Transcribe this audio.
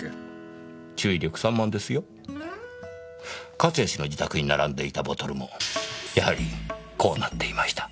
勝谷氏の自宅に並んでいたボトルもやはりこうなっていました。